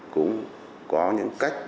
cũng có những cách